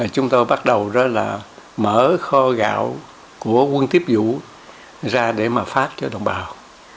chúng tôi bắt đầu là mở kho gạo của quân tiếp vũ ra để mà phát cho đồng bào